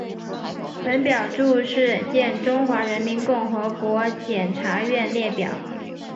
本表注释见中华人民共和国检察院列表。